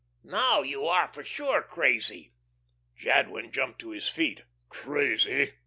"Now you are for sure crazy." Jadwin jumped to his feet. "Crazy!"